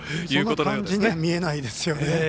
そんな感じに見えないですよね。